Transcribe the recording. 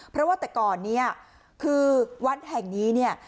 เพราะว่าแต่ก่อนเนี่ยคือวัดแห่งนี้เนี่ย